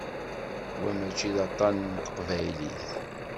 Wa mačči d aṭan n teqbaylit?